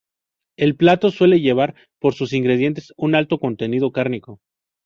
El plato suele llevar, por sus ingredientes, un alto contenido cárnico.